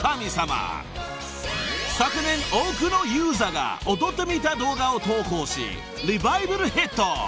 ［昨年多くのユーザーが踊ってみた動画を投稿しリバイバルヒット］